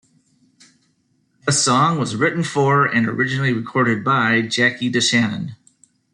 The song was written for and originally recorded by Jackie DeShannon.